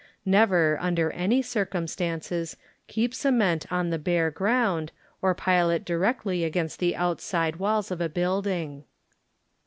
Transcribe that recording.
Never, under any circumstances, keep cement on the bare ground, or pile it directly against the outside walls of the building.